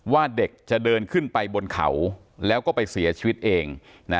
ว่าเด็กจะเดินขึ้นไปบนเขาแล้วก็ไปเสียชีวิตเอง